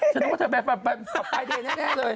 ฉันรู้ว่าเธอเป็นขับไฟเดย์แน่เลย